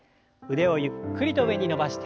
腕をゆっくりと上に伸ばして。